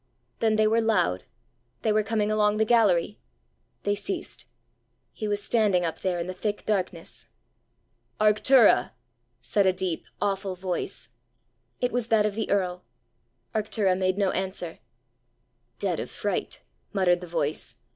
Then they were loud they were coming along the gallery! They ceased. He was standing up there in the thick darkness! "Arctura," said a deep, awful voice. It was that of the earl. Arctura made no answer. "Dead of fright!" muttered the voice.